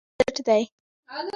سوله د باور د دوام بنسټ ده.